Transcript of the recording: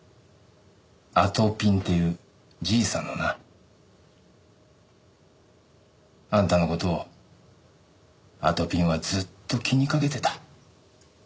あとぴんっていうじいさんのな。あんたの事をあとぴんはずっと気にかけてた。